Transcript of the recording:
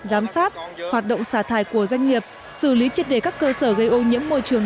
giám sát hoạt động xả thải của doanh nghiệp xử lý triệt đề các cơ sở gây ô nhiễm môi trường